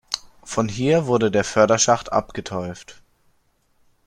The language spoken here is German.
Von hier wurde der Förderschacht abgeteuft.